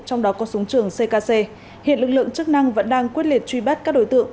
trong đó có súng trường ckc hiện lực lượng chức năng vẫn đang quyết liệt truy bắt các đối tượng